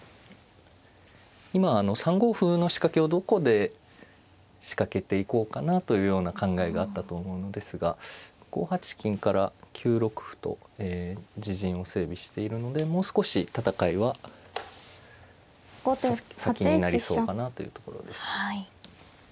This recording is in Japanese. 今３五歩の仕掛けをどこで仕掛けていこうかなというような考えがあったと思うのですが５八金から９六歩と自陣を整備しているのでもう少し戦いは先になりそうかなというところです。